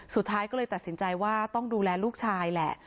สุดท้ายก็เลยตัดสินใจว่าต้องดูแลลูกชายแหละ